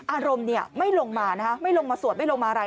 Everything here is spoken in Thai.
อารมณ์ไม่ลงมานะคะไม่ลงมาสวดไม่ลงมาอะไร